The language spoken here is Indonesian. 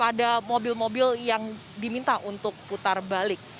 ada mobil mobil yang diminta untuk putar balik